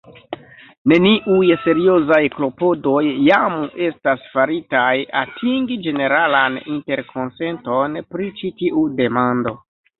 Neniuj seriozaj klopodoj jam estas faritaj atingi ĝeneralan interkonsenton pri ĉi tiu demando.